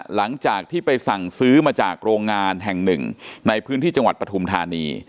หลังจากที่ไปสั่งซื้อมาจากโรงงานแห่งหนึ่งในพื้นที่จังหวัดปฐุมธานี